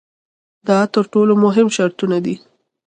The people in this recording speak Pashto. دا تر ټولو مهم شرطونه دي.